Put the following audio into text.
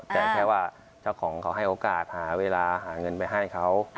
แต่แค่ว่าเจ้าของเขาให้โอกาสหาเวลาหาเงินไปให้เขา